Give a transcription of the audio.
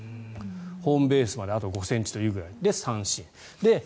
ホームベースまであと５ｃｍというぐらい。